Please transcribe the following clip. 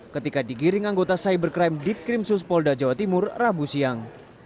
ketika digiring anggota cybercrime ditkrim suspolda jawa timur rabu siang